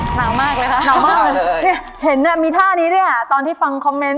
หนาวมากเลยครับนี่เห็นมีท่านี้ตอนที่ฟังคอมเมนต์